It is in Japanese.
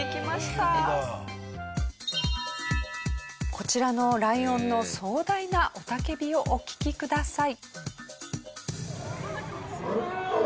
こちらのライオンの壮大な雄たけびをお聞きください。